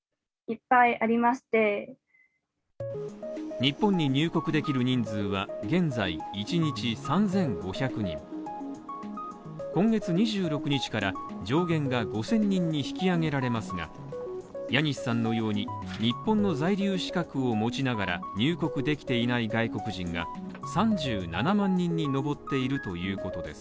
日本に入国できる人数は現在、１日３５００人、今月２６日から上限が５０００人に引き上げられますが、ヤニスさんのように日本の在留資格を持ちながら入国できていない外国人が３７万人に上っているということです。